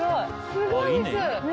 すごいです！ね。